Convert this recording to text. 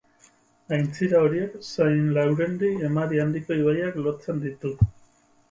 Aintzira horiek San Laurendi emari handiko ibaiak lotzen ditu.